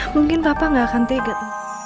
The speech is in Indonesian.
mungkin papa nggak akan teget